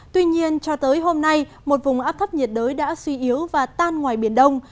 tuy nhiên cho tới hôm nay một vùng áp thấp nhiệt đới đã suy yếu và tan ngoài biển đông